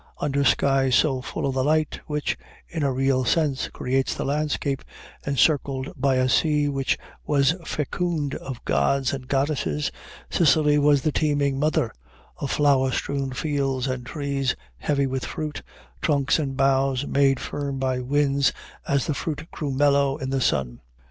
Under skies so full of the light which, in a real sense, creates the landscape, encircled by a sea which was fecund of gods and goddesses, Sicily was the teeming mother of flower strewn fields and trees heavy with fruit, trunks and boughs made firm by winds as the fruit grew mellow in the sun.